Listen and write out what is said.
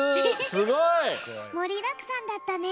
すごい！もりだくさんだったね。